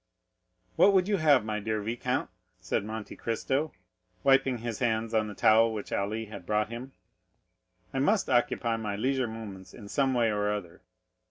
"What would you have, my dear viscount?" said Monte Cristo, wiping his hands on the towel which Ali had brought him; "I must occupy my leisure moments in some way or other.